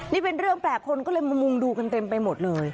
นี่เป็นเรื่องแปลกคนก็เลยมามุงดูกันเต็มไปหมดเลย